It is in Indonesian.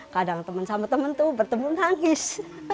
kadang temen temen tuh bertemu nangis